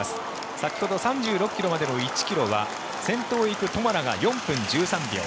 先ほど３６ｋｍまでの１ｋｍは先頭を行くトマラが４分１３秒。